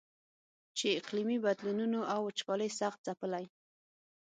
چې اقلیمي بدلونونو او وچکالۍ سخت ځپلی.